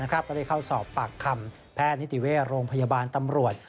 ก็ได้เข้าสอบปากคำแพทย์นิติเวชโรงพยาบาลตำรวจ